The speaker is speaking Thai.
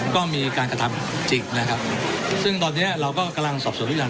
ก็มีการกระทำจริงนะครับซึ่งตอนเนี้ยเราก็กำลังสอบส่วนทุกอย่าง